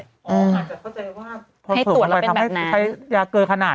อ๋ออาจจะเข้าใจว่าให้ตรวจเราเป็นแบบนั้นทำให้ใครอยากเกินขนาดก็ได้ไหม